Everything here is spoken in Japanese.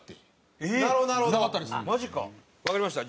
わかりました。